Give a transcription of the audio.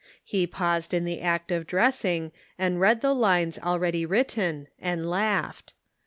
He paused in the act of dressing, and read the lines already written, and laughed.